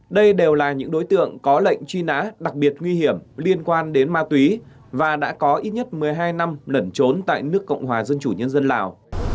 đây đều là những đối tượng có lệnh truy nã đặc biệt nguy hiểm liên quan đến ma túy và đã có ít nhất một mươi hai năm lẩn trốn tại nước cộng hòa dân chủ nhân dân lào